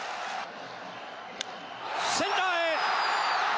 センターへ！